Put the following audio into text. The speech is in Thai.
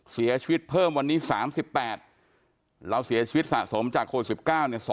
เสียชีวิตเพิ่มวันนี้๓๘เราเสียชีวิตสะสมจากโควิด๑๙เนี่ย